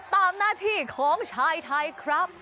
ตามหน้าที่ของชายไทยครับ